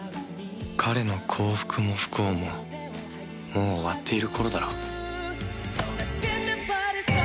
彼の幸福も不幸ももう終わっている頃だろう